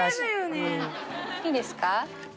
いいですか？